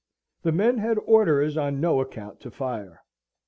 The men had orders on no account to fire.